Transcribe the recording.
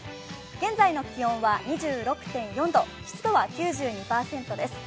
現在の気温は２６．４度、湿度は９２％です。